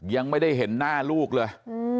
ยังไม่ได้เห็นหน้าลูกเลย